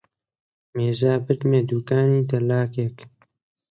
میرزا بردمییە دووکانی دەلاکێک